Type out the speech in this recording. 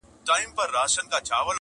یا را یاد کم یو په یو هغه ځایونه -